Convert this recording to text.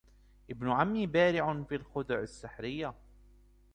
ابن عمي بارع في الخدع السحرية.